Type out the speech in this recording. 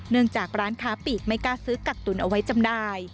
จากร้านค้าปีกไม่กล้าซื้อกักตุ๋นเอาไว้จำได้